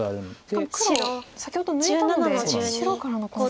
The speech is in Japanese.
しかも黒先ほど抜いたので白からのコウ材が。